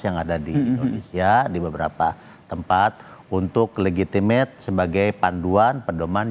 yang ada di indonesia di beberapa tempat untuk legitimate sebagai panduan pedoman